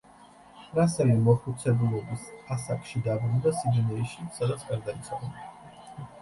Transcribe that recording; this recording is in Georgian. რასელი მოხუცებულობის ასაკში დაბრუნდა სიდნეიში, სადაც გარდაიცვალა.